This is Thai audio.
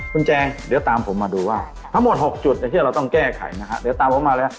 คุณแจงเดี๋ยวตามผมมาดูว่าทั้งหมด๖จุดที่เราต้องแก้ไขนะฮะเดี๋ยวตามผมมาแล้ว